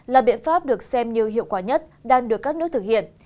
là biện pháp được xem như hiệu quả nhất đang được các nước thực hiện